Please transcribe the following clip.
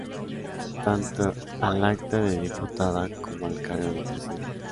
Tanto al acta de diputada como al cargo de presidente.